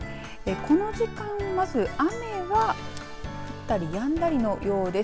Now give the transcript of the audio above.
この時間まず雨は降ったりやんだりのようです。